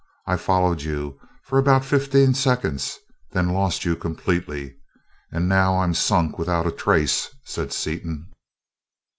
I followed you for about fifteen seconds, then lost you completely; and now I'm sunk without a trace," said Seaton.